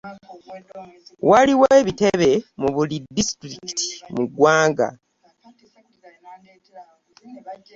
Waliwo ebitebe mu buli disitulikiti mu ggwanga.